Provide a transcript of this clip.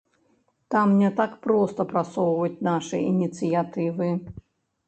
Там не так проста прасоўваць нашы ініцыятывы.